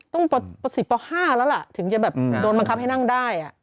ต้องประสิทธิ์ป่าว๕แล้วล่ะถึงจะโดนบังคับให้นั่งได้